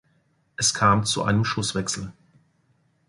Es kam zu einem Schusswechsel.